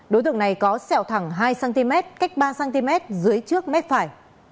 đối tượng này có sẹo thẳng hai cm cách ba cm dưới trước mép phải